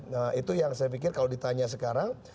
nah itu yang saya pikir kalau ditanya sekarang